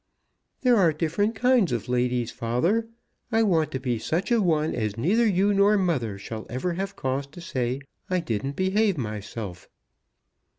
"There are different kinds of ladies, father. I want to be such a one as neither you nor mother shall ever have cause to say I didn't behave myself."